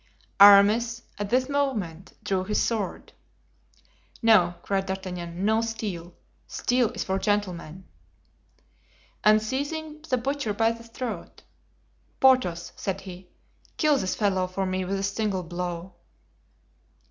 Aramis, at this movement, drew his sword. "No," cried D'Artagnan, "no steel. Steel is for gentlemen." And seizing the butcher by the throat: "Porthos," said he, "kill this fellow for me with a single blow."